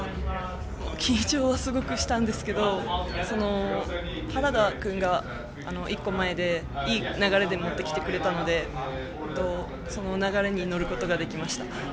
緊張はすごくしましたが原田君が１個前でいい流れで持ってきてくれたのでその流れに乗ることができました。